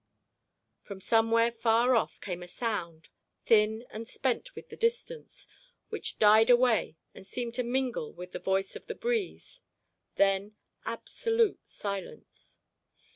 From somewhere far off came a sound, thin and spent with the distance, which died away and seemed to mingle with the voice of the breeze; then absolute silence.